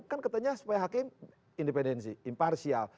kan katanya supaya hakim independensi imparsial